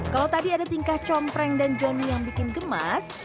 kalau tadi ada tingkah compreng dan johnny yang bikin gemas